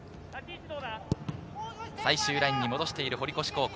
最終ラインに戻している堀越高校。